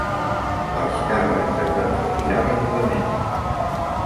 Els càrrecs es van retirar ràpidament.